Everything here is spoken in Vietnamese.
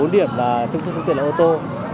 bốn điểm trong xe phương tiện là ô tô